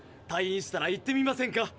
退院したら行ってみませんか？